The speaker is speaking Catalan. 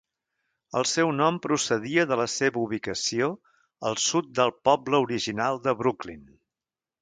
El seu nom procedia de la seva ubicació, al sud del poble original de Brooklyn.